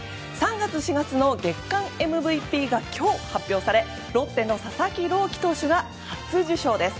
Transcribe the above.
３月、４月の月間ＭＶＰが今日発表されロッテの佐々木朗希投手が初受賞です。